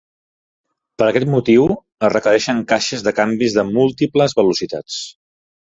Per aquest motiu, es requereixen caixes de canvis de múltiples velocitats.